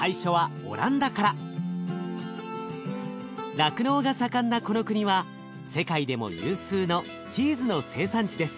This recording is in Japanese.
酪農が盛んなこの国は世界でも有数のチーズの生産地です。